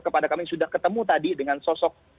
kepada kami sudah ketemu tadi dengan sosok